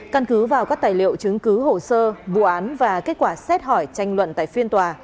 căn cứ vào các tài liệu chứng cứ hồ sơ vụ án và kết quả xét hỏi tranh luận tại phiên tòa